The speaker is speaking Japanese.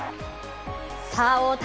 さあ、大谷。